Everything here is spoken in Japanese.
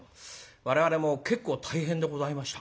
我々も結構大変でございました。